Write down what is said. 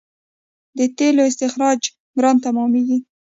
د تیلو استخراج ګران تمامېږي.